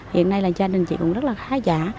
hiện nay là gia đình chị cũng rất là khá giả